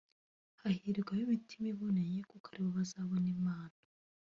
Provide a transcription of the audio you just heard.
hahirwa ab'imitima iboneye kuko aribo bazabona Imana